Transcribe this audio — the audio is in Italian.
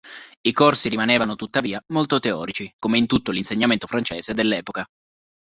I corsi rimanevano, tuttavia, molto teorici, come in tutto l'insegnamento francese dell'epoca.